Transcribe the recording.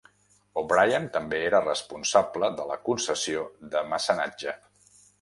O'Brien també era responsable de la concessió de mecenatge.